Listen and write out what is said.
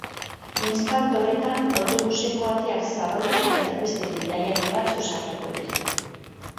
Instant horretan, autobuseko ateak zabaldu eta beste bidaiari batzuk sartuko dira.